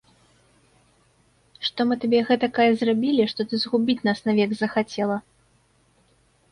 Што мы табе гэтакае зрабілі, што ты згубіць нас навек захацела!